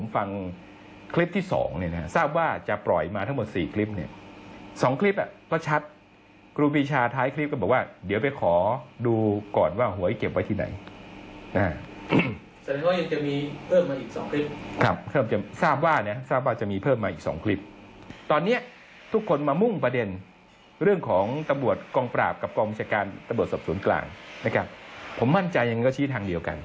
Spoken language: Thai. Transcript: ฟังเสียงดรโต้งนะคะ